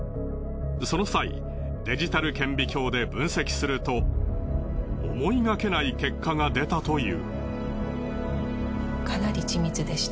その際デジタル顕微鏡で分析すると思いがけない結果が出たという。